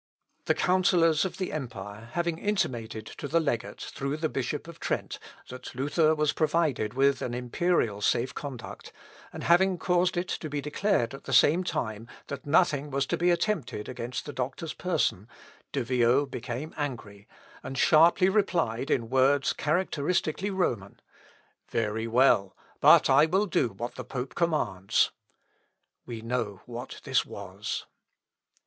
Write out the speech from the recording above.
The counsellors of the empire having intimated to the legate, through the Bishop of Trent, that Luther was provided with an imperial safe conduct, and having caused it to be declared at the same time, that nothing was to be attempted against the doctor's person, De Vio became angry, and sharply replied in words characteristically Roman, "Very well, but I will do what the pope commands." We know what this was.